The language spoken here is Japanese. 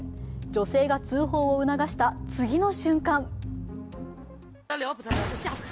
女性が通報を促した次の瞬間